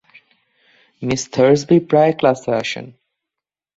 Miss Thursby প্রায় ক্লাসে আসেন।